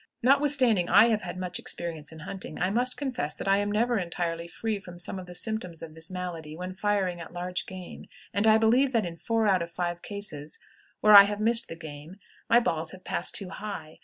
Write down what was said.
Notwithstanding I have had much experience in hunting, I must confess that I am never entirely free from some of the symptoms of this malady when firing at large game, and I believe that in four out of five cases where I have missed the game my balls have passed too high.